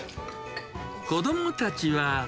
子どもたちは。